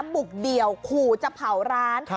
บุกเดี่ยวขู่จะเผาร้าน